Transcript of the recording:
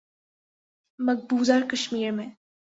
مقبوضہ کشمیر میں